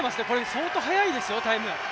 相当速いですよ、タイム。